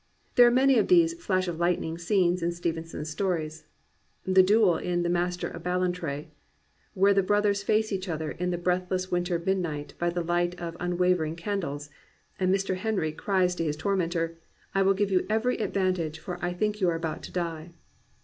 There are many of these flash of lightning scenes in Stevenson's stories. The duel in The Master of Ballantrae where the brothers face each other in the breathless winter midnight by the light of un wavering candles, and Mr. Henry cries to his tor mentor, "I will give you every advantage, for I think you are about to die.'